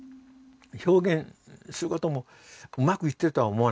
表現することもうまくいってるとは思わない。